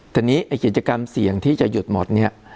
ทีนี้กิจกรรมเสี่ยงที่จะหยุดหมด